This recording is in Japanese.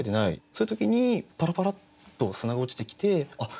そういう時にパラパラッと砂が落ちてきてあっ